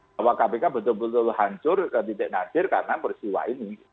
bahwa kpk betul betul hancur ke titik nadir karena peristiwa ini